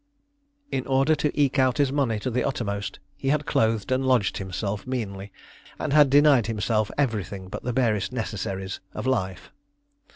In order to eke out his money to the uttermost, he had clothed and lodged himself meanly, and had denied himself everything but the barest necessaries of life.